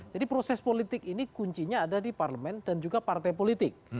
jadi proses politik ini kuncinya ada di parlemen dan juga partai politik